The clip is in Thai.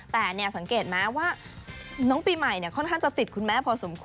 แต่สังเกตไหมว่าน้องปีใหม่ค่อนข้างจะติดคุณแม่พอสมควร